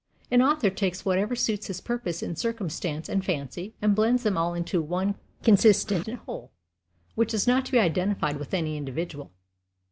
An author takes whatever suits his purpose in circumstance and fancy, and blends them all into one consistent whole, which is not to be identified with any individual.